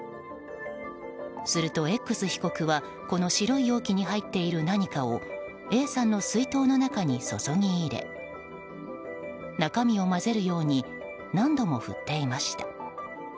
すると、Ｘ被告はこの白い容器に入っている何かをＡさんの水筒の中に注ぎ入れ中身を混ぜるように何度も振っていました。